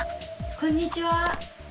こんにちは。